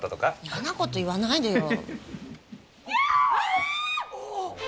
ヤなこと言わないでよ。